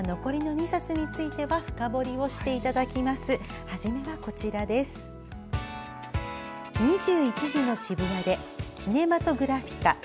「二十一時の渋谷でキネマトグラフィカ」